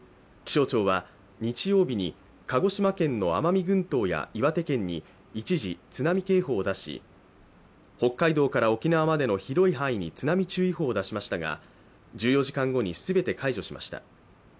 気象庁は日曜日に、鹿児島県の奄美群島や岩手県に、一時、津波警報を出し、北海道から沖縄までの広い範囲に津波注意報を出しましたが１４時間後に全て解除しました。